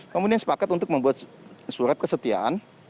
kemudian sepakat untuk membuat surat kesetiaan